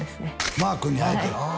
マー君に会えた？